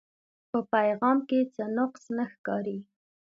پۀ پېغام کښې څۀ نقص نۀ ښکاري